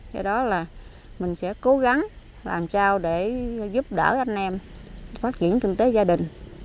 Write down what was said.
do đó là mình sẽ cố gắng làm sao để giúp đỡ anh em phát triển kinh tế gia đình